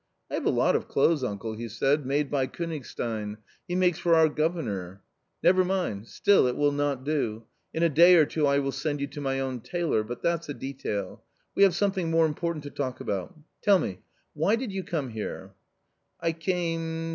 " I have a lot of clothes, uncle,'* he said, " made by Kcenigstein ; he makes for our governor." j " Never mind ; still it will not do ; in a day or two I will I .send you to my own tailorj ) but that's a detail. We have something more importantio talk about. Tell me, why did you come here ?"" I came